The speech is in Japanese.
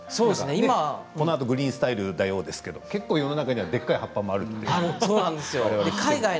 このあと「グリーンスタイル」ですけど世の中にはでかい葉っぱもあると。